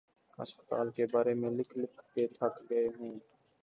ہسپتالوں کے بارے میں لکھ لکھ کے تھک گئے ہوں۔